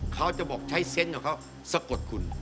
เขาจะบอกใช้เซนต์ของเขาสะกดคุณ